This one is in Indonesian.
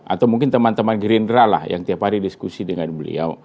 atau mungkin teman teman gerindra lah yang tiap hari diskusi dengan beliau